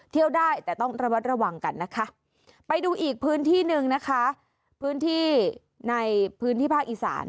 เที่ยวได้แต่ต้องระวัดระวังกันนะคะไปดูอีกพื้นที่หนึ่งนะคะพื้นที่ในพื้นที่ภาคอีสาน